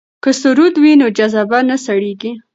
که سرود وي نو جذبه نه سړیږي.